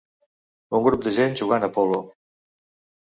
Un grup de gent jugant a polo.